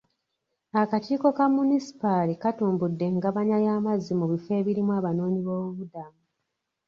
Akakiiko ka munisipaali katumbudde engabanya y'amazzi mu bifo ebirimu abanoonyiboobubudamu.